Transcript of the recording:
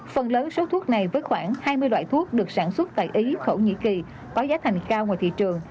phần lớn số thuốc này với khoảng hai mươi loại thuốc được sản xuất tại ý thổ nhĩ kỳ có giá thành cao ngoài thị trường